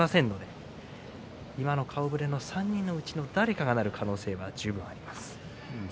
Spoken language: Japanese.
この顔ぶれの３人のうちの誰かが最多勝を取る可能性があります。